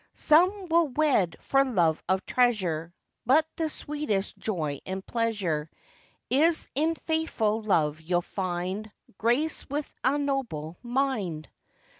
Some will wed for love of treasure; But the sweetest joy and pleasure Is in faithful love, you'll find, Gracèd with a noble mind.